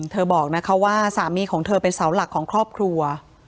บอกนะคะว่าสามีของเธอเป็นเสาหลักของครอบครัว